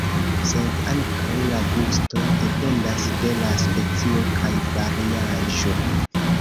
Sed ankaŭ la gusto dependas de la specio kaj variaĵo.